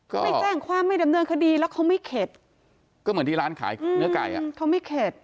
เขาไม่เข็ด